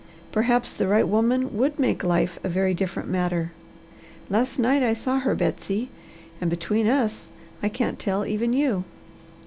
Perhaps the right woman would make life a very different matter. Last night I saw her, Betsy, and between us, I can't tell even you.